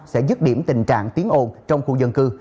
sẽ dứt điểm tình trạng tiếng ồn trong khu dân cư